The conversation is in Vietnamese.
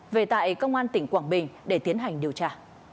về tại công an tỉnh quảng bình để tiến hành điều tra